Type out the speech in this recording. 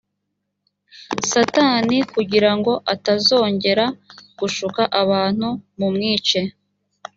satani kugira ngo atazongera gushuka abantu mumwice.